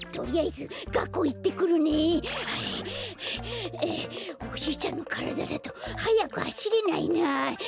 ゼエゼエおじいちゃんのからだだとはやくはしれないな。